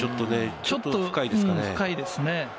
ちょっと深いですかね。